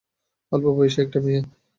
অল্পবয়েসী একটা মেয়ে।